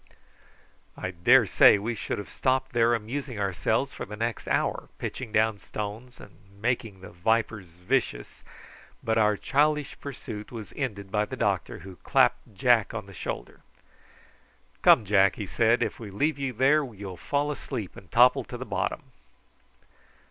I daresay we should have stopped there amusing ourselves for the next hour, pitching down stones and making the vipers vicious; but our childish pursuit was ended by the doctor, who clapped Jack on the shoulder. "Come, Jack," he said, "if we leave you there you'll fall asleep and topple to the bottom."